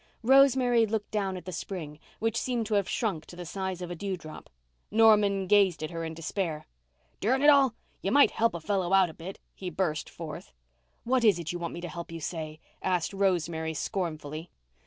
Rosemary looked down at the spring, which seemed to have shrunk to the size of a dewdrop. Norman gazed at her in despair. "Durn it all, you might help a fellow out a bit," he burst forth. "What is it you want me to help you say?" asked Rosemary scornfully.